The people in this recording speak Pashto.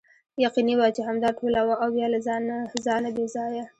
یقیني وه چې همدا ټوله وه او بیا له ځانه بې ځایه.